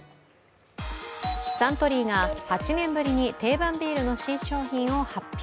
サントリーが８年ぶりに定番ビールの新商品を発表。